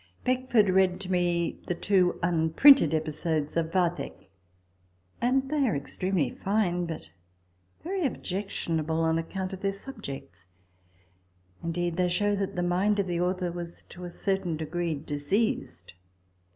Beckford read to me the two unprinted episodes to " Vathek "; and they are extremely fine, but very objectionable on account of their subjects. Indeed, they show that the mind of the author was to a certain degree diseased.